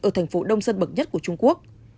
ở thành phố đông dân bậc nhất của trung quốc